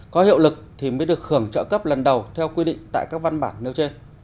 có hiệu lực thì mới được hưởng trợ cấp lần đầu theo quy định tại các văn bản nêu chê